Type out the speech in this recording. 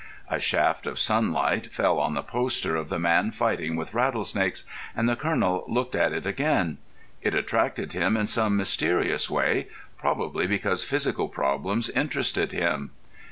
A shaft of sunlight fell on the poster of the man fighting with rattlesnakes, and the Colonel looked at it again. It attracted him in some mysterious way, probably because physical problems interested him.